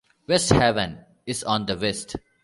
West Haven is on the west.